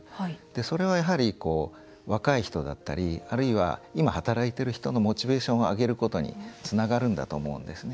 それは若い人だったりあるいは、今、働いてる人のモチベーションを上げることにつながるんだと思うんですね。